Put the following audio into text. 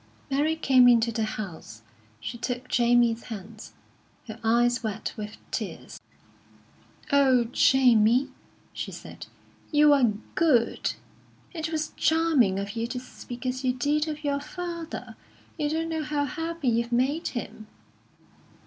Mary came into the house. She took Jamie's hands, her eyes wet with tears. "Oh, Jamie," she said, "you are good! It was charming of you to speak as you did of your father. You don't know how happy you've made him."